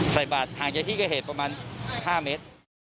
ใส่บาทห่างจากที่เกิดเหตุประมาณ๕เมตร